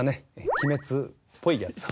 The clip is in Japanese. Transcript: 鬼滅」っぽいやつを。